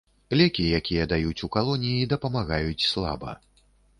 Лекі, якія даюць у калоніі, дапамагаюць слаба.